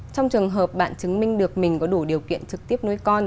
trong trường hợp bạn chứng minh được mình có đủ điều kiện trực tiếp nuôi con